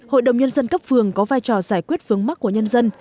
hội đồng nhân dân cấp phường có vai trò giải quyết vướng mắc của nhân dân